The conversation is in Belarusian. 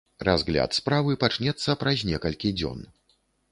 Разгляд справы пачнецца праз некалькі дзён.